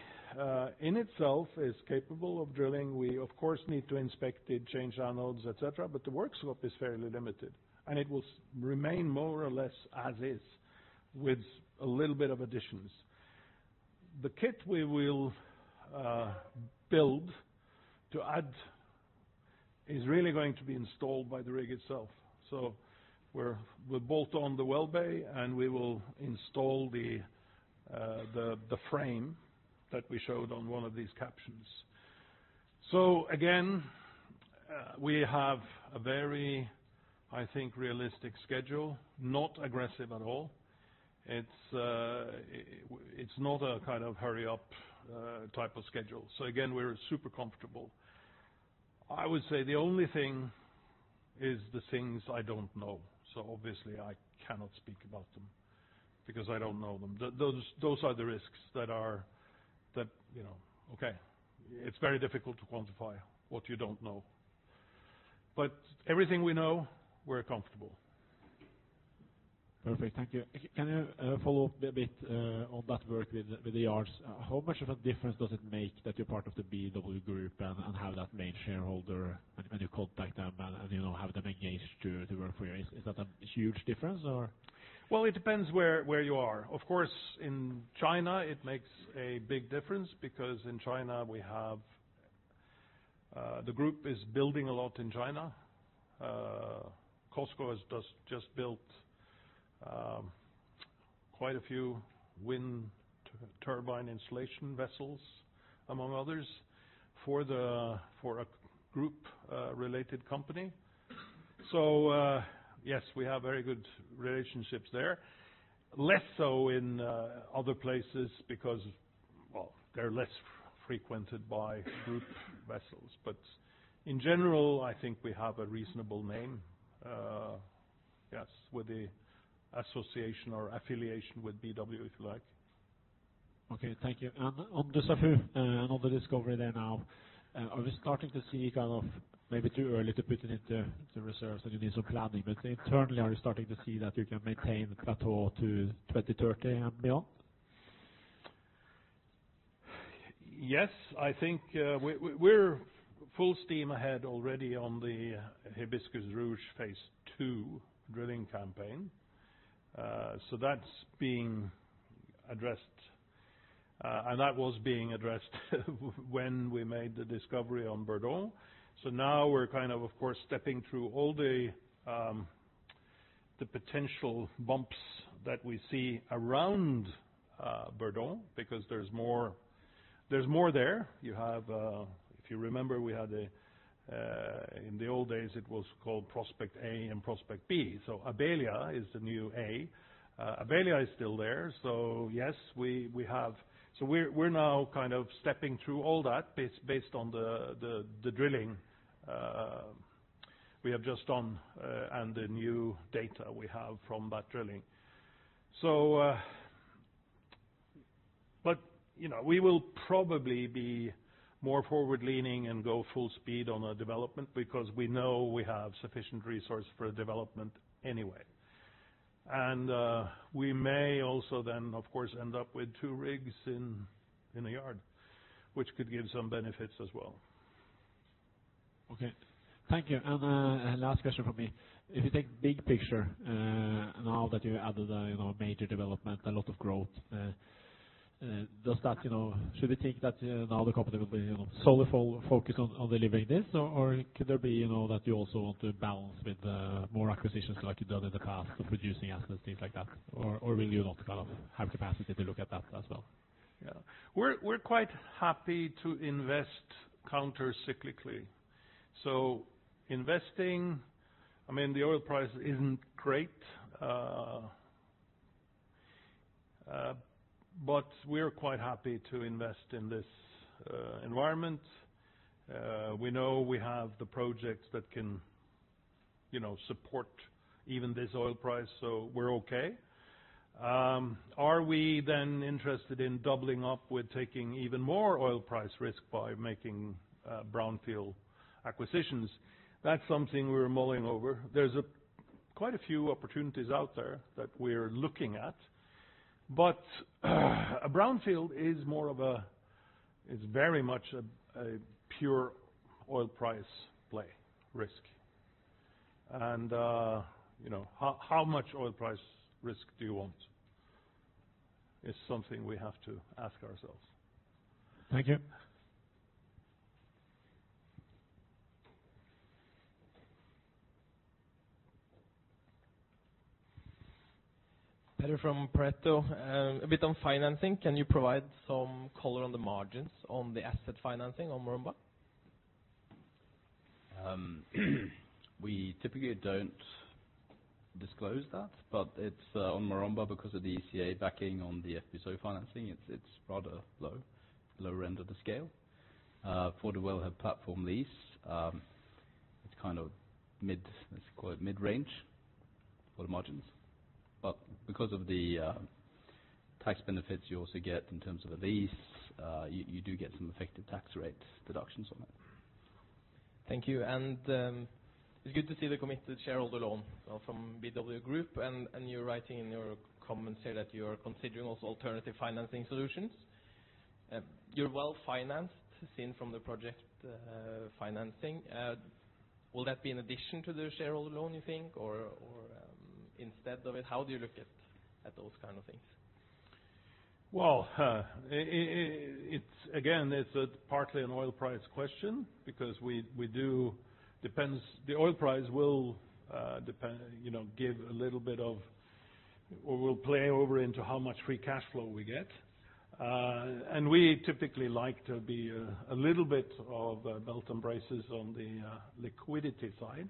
in itself is capable of drilling. We, of course, need to inspect it, change anodes, etc. The work scope is fairly limited. It will remain more or less as is with a little bit of additions. The kit we will build to add is really going to be installed by the rig itself. We'll bolt on the well bay, and we will install the frame that we showed on one of these captions. Again, we have a very, I think, realistic schedule, not aggressive at all. It's not a kind of hurry-up type of schedule. We're super comfortable. I would say the only thing is the things I don't know. Obviously, I cannot speak about them because I don't know them. Those are the risks that are okay. It's very difficult to quantify what you don't know. But everything we know, we're comfortable. Perfect. Thank you. Can I follow up a bit on that work with the yards? How much of a difference does it make that you're part of the BW Group and have that main shareholder and you contact them and have them engaged to work for you? Is that a huge difference, or? It depends where you are. Of course, in China, it makes a big difference because in China, the group is building a lot in China. COSCO has just built quite a few wind turbine installation vessels, among others, for a group-related company. Yes, we have very good relationships there. Less so in other places because, well, they are less frequented by group vessels. In general, I think we have a reasonable name, yes, with the association or affiliation with BW, if you like. Okay. Thank you. On Dussafu, another discovery there now. Are we starting to see kind of maybe too early to put it into reserves and you need some planning? Internally, are you starting to see that you can maintain the plateau to 2030 and beyond? Yes. I think we're full steam ahead already on the Hibiscus Rouge phase two drilling campaign. That's being addressed. That was being addressed when we made the discovery on Burdon. Now we're kind of, of course, stepping through all the potential bumps that we see around Burdon because there's more there. If you remember, in the old days, it was called Prospect A and Prospect B. Abelia is the new A. Abelia is still there. Yes, we have, so we're now kind of stepping through all that based on the drilling we have just done and the new data we have from that drilling. We will probably be more forward-leaning and go full speed on our development because we know we have sufficient resources for development anyway. We may also then, of course, end up with two rigs in the yard, which could give some benefits as well. Okay. Thank you. Last question for me. If you take big picture now that you added major development, a lot of growth, should we think that now the company will be solely focused on delivering this? Could there be that you also want to balance with more acquisitions like you've done in the past of producing assets, things like that? Will you not kind of have capacity to look at that as well? Yeah. We're quite happy to invest counter-cyclically. Investing, I mean, the oil price isn't great. We're quite happy to invest in this environment. We know we have the projects that can support even this oil price, so we're okay. Are we then interested in doubling up with taking even more oil price risk by making brownfield acquisitions? That's something we're mulling over. There are quite a few opportunities out there that we're looking at. A brownfield is very much a pure oil price play risk. How much oil price risk do you want is something we have to ask ourselves. Thank you. Peter from Pareto. A bit on financing. Can you provide some color on the margins on the asset financing on Maromba? We typically don't disclose that, but on Maromba, because of the ECA backing on the FPSO financing, it's rather low, lower end of the scale. For the wellhead platform lease, it's kind of mid—let's call it mid-range for the margins. Because of the tax benefits you also get in terms of a lease, you do get some effective tax rate deductions on it. Thank you. It is good to see the committed shareholder loan from BW Group. You are writing in your comments here that you are considering also alternative financing solutions. You are well-financed seen from the project financing. Will that be in addition to the shareholder loan, you think, or instead of it? How do you look at those kind of things? Again, it's partly an oil price question because we do depend. The oil price will give a little bit of or will play over into how much free cash flow we get. We typically like to be a little bit of belt and braces on the liquidity side.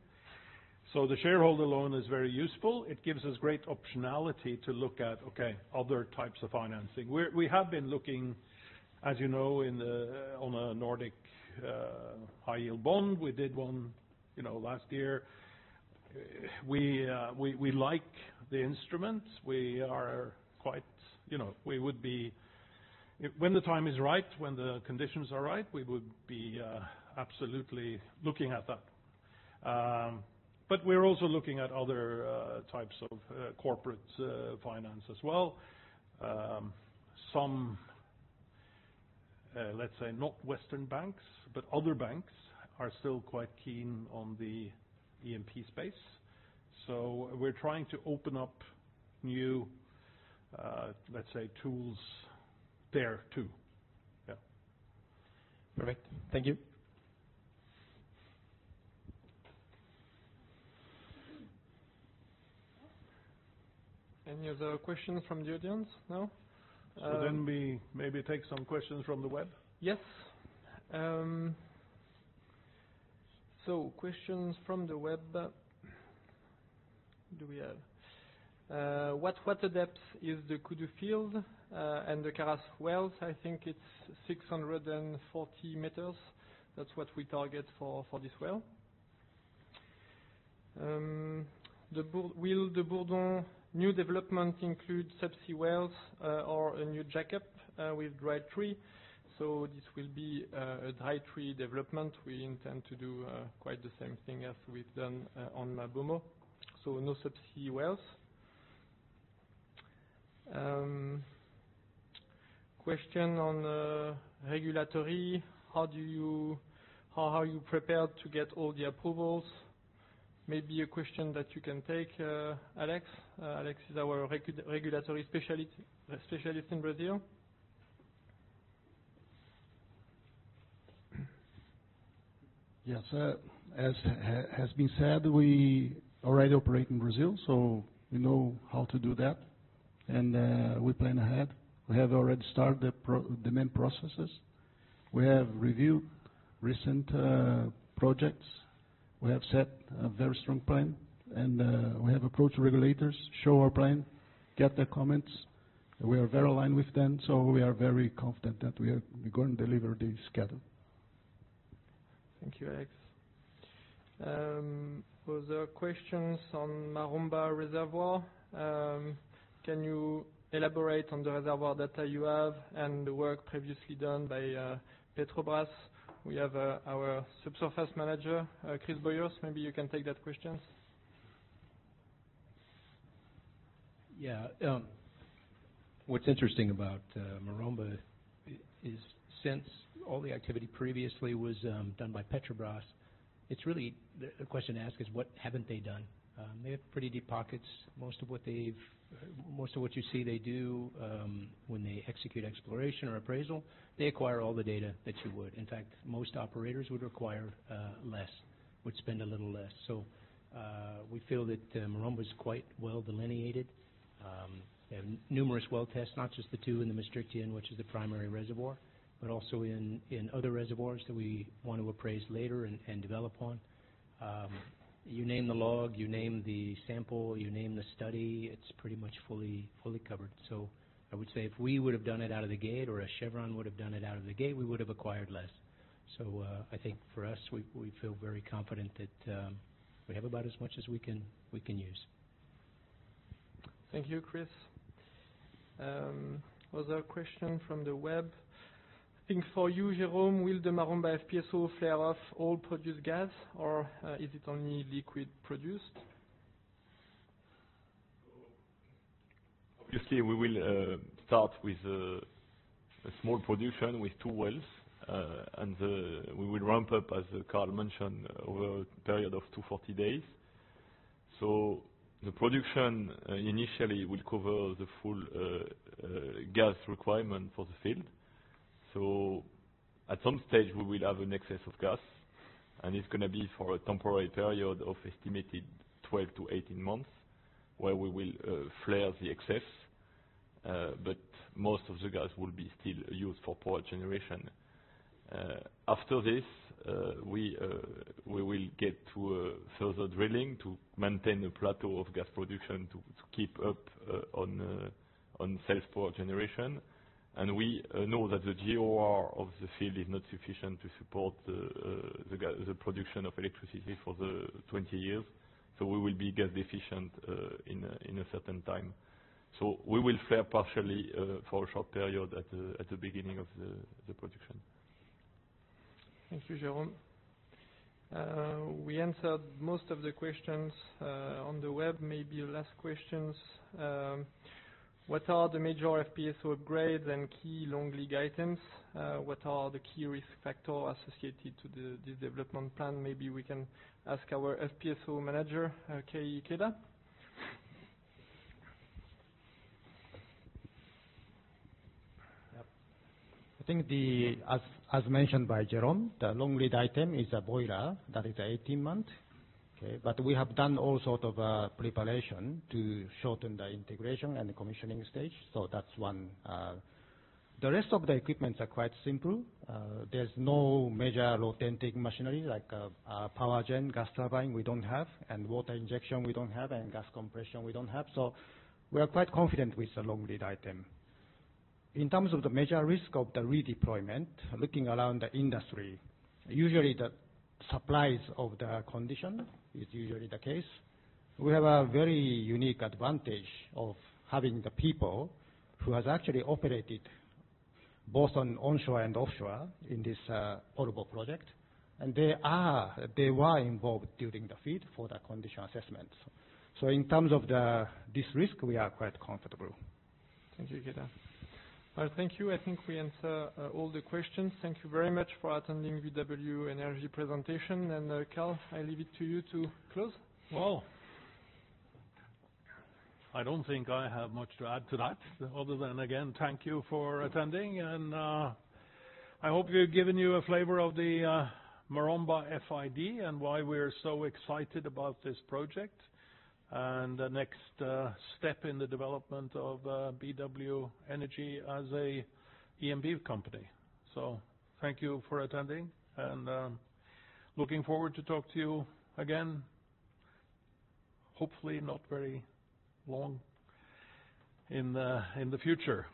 The shareholder loan is very useful. It gives us great optionality to look at, okay, other types of financing. We have been looking, as you know, on a Nordic high-yield bond. We did one last year. We like the instruments. We are quite—we would be, when the time is right, when the conditions are right, we would be absolutely looking at that. We are also looking at other types of corporate finance as well. Some, let's say, not Western banks, but other banks are still quite keen on the EMP space. We're trying to open up new, let's say, tools there too. Yeah. Perfect. Thank you. Any other questions from the audience now? Maybe we take some questions from the web? Yes. Questions from the web. Do we have? What water depth is the Kudu field and the Karas wells? I think it's 640 meters. That's what we target for this well. Will the Burdon new development include subsea wells or a new jackup with dry tree? This will be a dry tree development. We intend to do quite the same thing as we've done on Maromba. No subsea wells. Question on regulatory. How are you prepared to get all the approvals? Maybe a question that you can take, Alex. Alex is our regulatory specialist in Brazil. Yes. As has been said, we already operate in Brazil, so we know how to do that. We plan ahead. We have already started the main processes. We have reviewed recent projects. We have set a very strong plan. We have approached regulators, show our plan, get their comments. We are very aligned with them. We are very confident that we are going to deliver the schedule. Thank you, Alex. Was there questions on Maromba reservoir? Can you elaborate on the reservoir data you have and the work previously done by Petrobras? We have our Subsurface Manager, Chris Boyers. Maybe you can take that question. Yeah. What's interesting about Maromba is since all the activity previously was done by Petrobras, it's really the question asked is, what haven't they done? They have pretty deep pockets. Most of what you see they do when they execute exploration or appraisal, they acquire all the data that you would. In fact, most operators would require less, would spend a little less. We feel that Maromba is quite well delineated. They have numerous well tests, not just the two in the Maastrichtian, which is the primary reservoir, but also in other reservoirs that we want to appraise later and develop on. You name the log, you name the sample, you name the study, it's pretty much fully covered. I would say if we would have done it out of the gate or a Chevron would have done it out of the gate, we would have acquired less. I think for us, we feel very confident that we have about as much as we can use. Thank you, Chris. Was there a question from the web? I think for you, Jérôme, will the Maromba FPSO flare off all produced gas, or is it only liquid produced? Obviously, we will start with a small production with two wells. We will ramp up, as Carl mentioned, over a period of 240 days. The production initially will cover the full gas requirement for the field. At some stage, we will have an excess of gas. It is going to be for a temporary period of estimated 12-18 months where we will flare the excess. Most of the gas will still be used for power generation. After this, we will get to further drilling to maintain the plateau of gas production to keep up on self-power generation. We know that the GOR of the field is not sufficient to support the production of electricity for the 20 years. We will be gas deficient in a certain time. We will flare partially for a short period at the beginning of the production. Thank you, Jerome. We answered most of the questions on the web. Maybe last questions. What are the major FPSO upgrades and key long-leg items? What are the key risk factors associated to this development plan? Maybe we can ask our FPSO manager, Kei Ikeda. I think, as mentioned by Jérôme, the long-leg item is a boiler that is 18 months. Okay. We have done all sorts of preparation to shorten the integration and the commissioning stage. That's one. The rest of the equipment is quite simple. There's no major authentic machinery like power gen, gas turbine. We don't have. Water injection, we don't have. Gas compression, we don't have. We are quite confident with the long-leg item. In terms of the major risk of the redeployment, looking around the industry, usually the supplies of the condition is usually the case. We have a very unique advantage of having the people who have actually operated both on onshore and offshore in this ORBO project. They were involved during the feed for the condition assessment. In terms of this risk, we are quite comfortable. Thank you, Ikeda. Thank you. I think we answered all the questions. Thank you very much for attending BW Energy presentation. Carl, I leave it to you to close. I do not think I have much to add to that other than, again, thank you for attending. I hope we have given you a flavor of the Maromba FID and why we are so excited about this project and the next step in the development of BW Energy as an E&P company. Thank you for attending. I am looking forward to talking to you again, hopefully not very long in the future.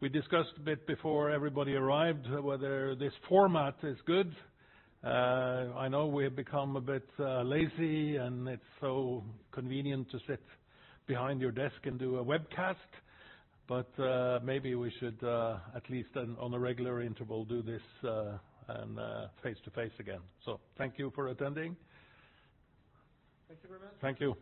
We discussed a bit before everybody arrived whether this format is good. I know we have become a bit lazy, and it is so convenient to sit behind your desk and do a webcast. Maybe we should at least on a regular interval do this face-to-face again. Thank you for attending. Thank you very much. Thank you.